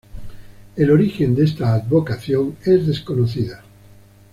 El origen de esta advocación es desconocido.